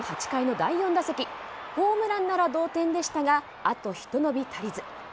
８回の第４打席ホームランなら同点でしたがあとひとのび足りず。